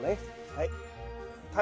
はい。